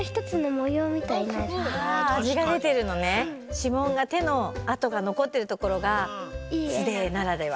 指紋が手のあとがのこってるところが素手絵ならでは？